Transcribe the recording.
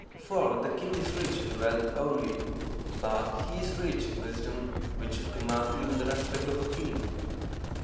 For the king is rich in wealth only, but he is rich in wisdom which should command even the respect of a king.